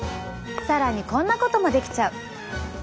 更にこんなこともできちゃう。